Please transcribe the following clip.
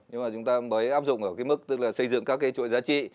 nhưng mà chúng ta mới áp dụng ở cái mức tức là xây dựng các cái chuỗi giá trị